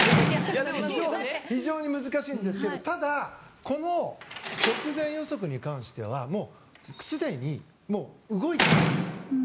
非常に難しいんですけどただ、直前予測に関してはすでに動いている。